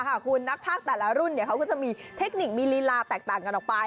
ขอบคุณนักภาคแต่ละรุ่นเขาก็คิดจะมีเทคนิครีโรปแปลกแตกต่างกันออกไป